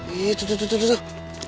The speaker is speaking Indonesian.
iya iya tuh tuh tuh